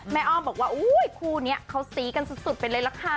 แม่อ้อมบอกว่าคู่นี้เขาซีกันสุดไปเลยละค่ะ